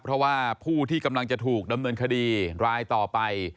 เพราะว่าผู้ที่กำลังจะถูกดำเนินคดีรายต่อไป